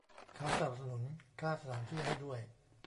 เขาสนับสนุนค่าสถานที่ให้ด้วย